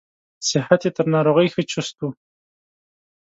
صحت یې تر ناروغۍ ښه چست و.